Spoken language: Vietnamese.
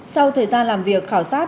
sau thời gian làm việc khảo sát